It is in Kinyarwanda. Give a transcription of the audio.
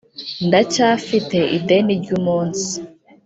Ndacyafite ideni ry’umunsi